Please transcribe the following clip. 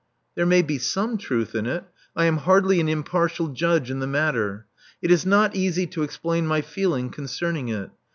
There may be some truth in it— I am hardly an impartial judge in the matter. It is not easy to explain my feeling concerning it.